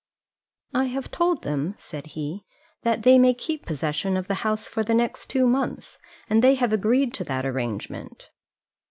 "I have told them," said he, "that they may keep possession of the house for the next two months, and they have agreed to that arrangement."